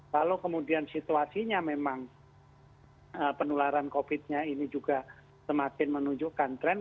kalau kemudian situasinya memang penularan covid nya ini juga semakin menunjukkan tren